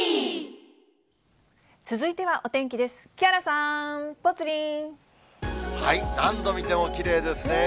続いてはお天気です。